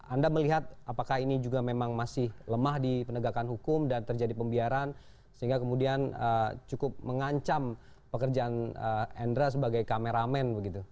anda melihat apakah ini juga memang masih lemah di penegakan hukum dan terjadi pembiaran sehingga kemudian cukup mengancam pekerjaan endra sebagai kameramen begitu